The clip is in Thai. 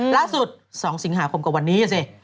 ล่าสุด๒สิงหาคมกว่าวันนี้นะสิ